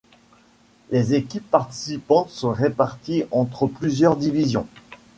Les équipes participantes sont réparties entre plusieurs divisions.